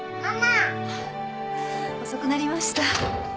あっ遅くなりました。